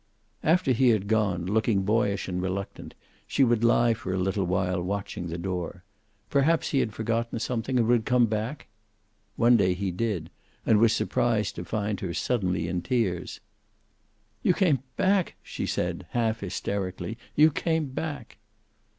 After he had gone, looking boyish and reluctant, she would lie for a little while watching the door. Perhaps he had forgotten something, and would come back! One day he did, and was surprised to find her suddenly in tears. "You came back!" she said half hysterically. "You came back."